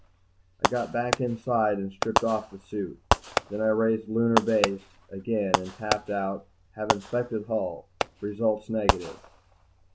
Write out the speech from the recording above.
I got back inside and stripped off the suit. Then I raised Lunar Base again and tapped out, HAVE INSPECTED HULL. RESULTS NEGATIVE.